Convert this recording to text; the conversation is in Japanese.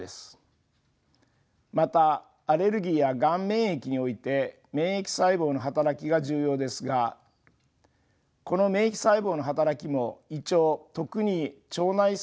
またアレルギーやがん免疫において免疫細胞の働きが重要ですがこの免疫細胞の働きも胃腸特に腸内細菌により制御されています。